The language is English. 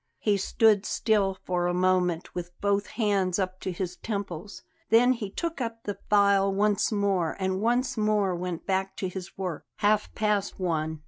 He stood still for a moment, with both hands up to his temples; then he took up the file once more, and once more went back to his work. Half past one.